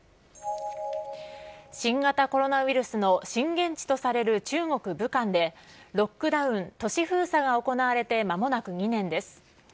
新型コロナウイルスの震源地とされる中国・武漢で、ロックダウン・都市封鎖が行われてまもなく２年です。